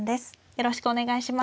よろしくお願いします。